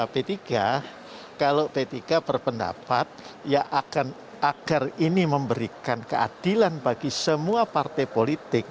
p tiga kalau p tiga berpendapat ya akan agar ini memberikan keadilan bagi semua partai politik